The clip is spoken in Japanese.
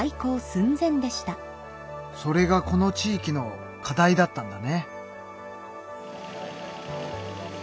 それがこの地域の課題だったんだね。